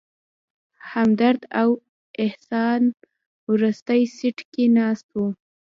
همدرد او احسان وروستي سیټ کې ناست ول.